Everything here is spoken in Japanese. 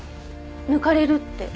抜かれるって？